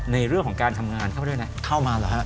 ในเรื่องของการทำงานเข้ามาด้วยนะ